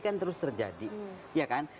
kan terus terjadi ya kan